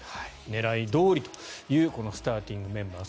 狙いどおりというこのスターティングメンバー。